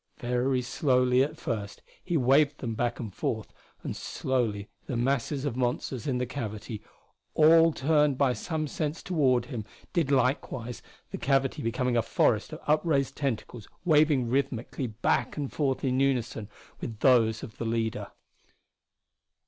Very slowly at first he waved them back and forth, and slowly the masses of monsters in the cavity, all turned by some sense toward him, did likewise, the cavity becoming a forest of upraised tentacles waving rhythmically back and forth in unison with those of the leader.